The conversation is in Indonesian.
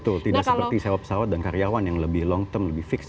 betul tidak seperti sewa pesawat dan karyawan yang lebih long term lebih fix